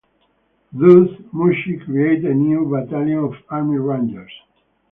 Thus, Mucci created a new battalion of Army Rangers.